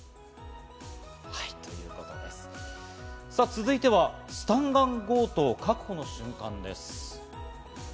続いてはスタンガン強盗、確保の瞬間です。